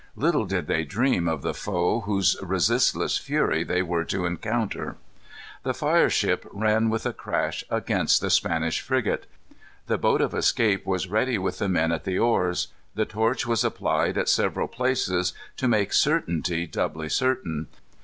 Little did they dream of the foe whose resistless fury they were to encounter. The fire ship ran with a crash against the Spanish frigate. The boat of escape was ready with the men at the oars. The torch was applied at several places to make certainty doubly certain.